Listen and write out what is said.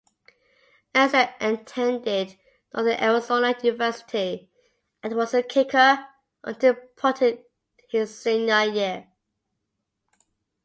Ernster attended Northern Arizona University, and was a kicker, until punting his senior year.